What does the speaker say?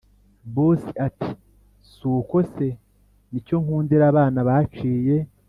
boss ati”suko se nicyo nkundira abana baciye